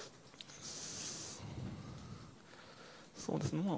そうですね、まあ。